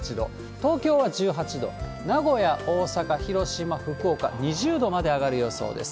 東京は１８度、名古屋、大阪、広島、福岡、２０度まで上がる予想です。